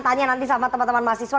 tanya nanti sama teman teman mahasiswa